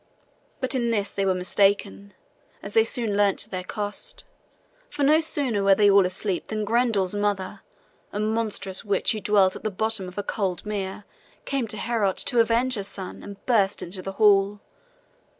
But in this they were mistaken, as they soon learnt to their cost. For no sooner were they all asleep than Grendel's mother, a monstrous witch who dwelt at the bottom of a cold mere, came to Heorot to avenge her son and burst into the hall.